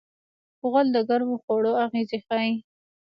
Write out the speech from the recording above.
غول د ګرمو خوړو اغېز ښيي.